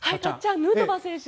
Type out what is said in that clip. ヌートバー選手。